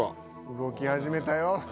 動き始めたよ。